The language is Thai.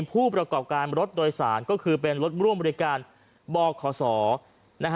ผู้ประกอบการรถโดยสารก็คือเป็นรถร่วมบริการบขศ